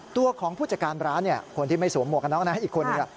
ตัวของผู้จัดการร้านคนที่ไม่สวมหมวกกันซักนิดนึงนะ